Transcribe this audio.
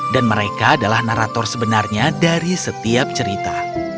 dan mereka adalah narator sebenarnya dari setiap cerita